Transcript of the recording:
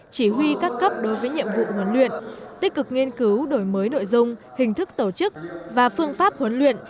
chỉ huy các cấp đối với nhiệm vụ huấn luyện tích cực nghiên cứu đổi mới nội dung hình thức tổ chức và phương pháp huấn luyện